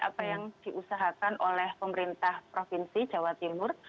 apa yang diusahakan oleh pemerintah provinsi jawa timur